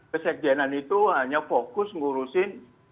pesek jenat itu hanya fokus ngurusin